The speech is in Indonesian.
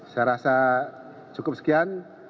saya rasa cukup sekian